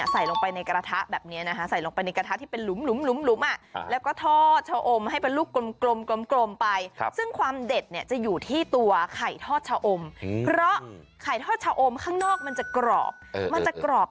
ใส่ลงไปในกระทะแบบเนี้ยนะฮะใส่ลงไปในกระทะที่เป็นหลุมหลุมหลุมหลุมอ่ะแล้วก็ทอชะอมให้ประลูกกลมกลมกลมกลมไปครับซึ่งความเด็ดเนี้ยจะอยู่ที่ตัวไข่ทอชะอมเพราะไข่ทอชะอมข้างนอกมันจะกรอบ